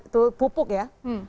itu pupuk ya